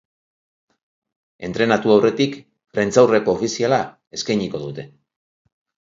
Entrenatu aurretik prentsaurreko ofiziala eskainiko dute.